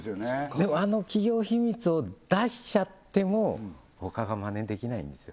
でもあの企業秘密を出しちゃってもほかがまねできないんですよ